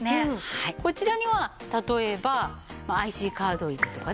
こちらには例えばＩＣカード入れとかね。